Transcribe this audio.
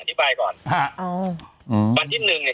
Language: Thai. อธิบายก่อนฮะอ๋ออืมวันที่หนึ่งเนี้ย